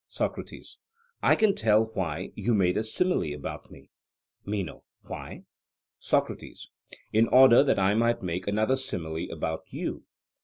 SOCRATES: I can tell why you made a simile about me. MENO: Why? SOCRATES: In order that I might make another simile about you.